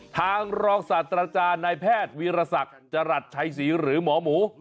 ทางรองศาสตราจารย์นายแพทย์วีรศักดิ์จรัสชัยศรีหรือหมอหมู